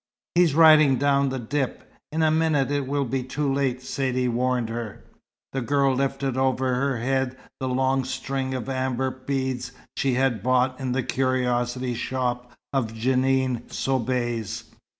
"He's riding down the dip. In a minute it will be too late," Saidee warned her. The girl lifted over her head the long string of amber beads she had bought in the curiosity shop of Jeanne Soubise.